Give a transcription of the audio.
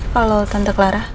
kalau tante clara